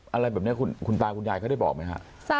อะไรแบบนี้คุณตาคุณยายเขาได้บอกไหมฮะ